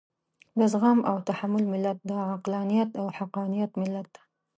د زغم او تحمل ملت، د عقلانيت او حقانيت ملت.